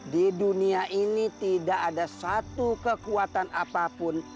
di dunia ini tidak ada satu kekuatan apapun